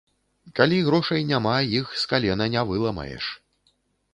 Калі грошай няма, іх з калена не выламаеш.